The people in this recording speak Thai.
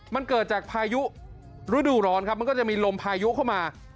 มันเกิดจากพายุฤดูร้อนครับมันก็จะมีลมพายุเข้ามา